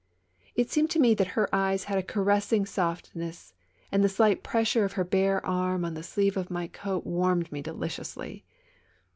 It seemed to me that her eyes had a caressing soft ness, and the slight pressure of her bare arm on the sleeve of my coat warmed me deliciously.